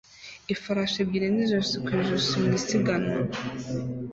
Ifarashi ebyiri ni ijosi ku ijosi mu isiganwa